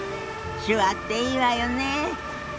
手話っていいわよねえ。